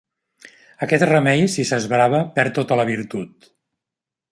Aquest remei, si s'esbrava, perd tota la virtut.